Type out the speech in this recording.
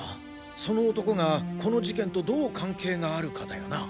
その男がこの事件とどう関係があるかだよな。